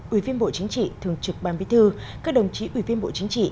ủy viên bộ chính trị thường trực ban bí thư các đồng chí ủy viên bộ chính trị